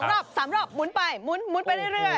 ก็โอ้โหคุณ๒รอบรอบมุนไปมุนไปเรื่อย